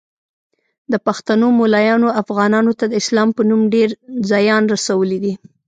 د پښتنو مولایانو افغانانو ته د اسلام په نوم ډیر ځیان رسولی دی